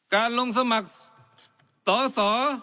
การลงสมัครสอสอ